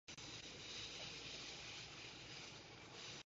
Regular columnists included Walter Kaner.